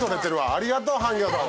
ありがとうハンギョドン。